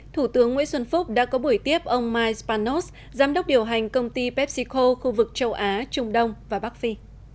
thủ tướng nguyễn xuân phúc đã có buổi tiếp ông mike spanos giám đốc điều hành công ty pepsico khu vực châu á trung đông và bắc phi